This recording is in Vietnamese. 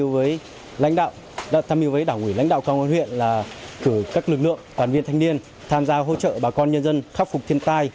đoàn viên thanh niên công an huyện đã tham dự với đảng quỷ lãnh đạo công an huyện là cử các lực lượng đoàn viên thanh niên tham gia hỗ trợ bà con nhân dân khắc phục thiên tai